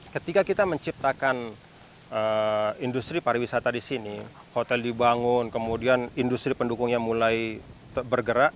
ketika kita menciptakan industri pariwisata di sini hotel dibangun kemudian industri pendukungnya mulai bergerak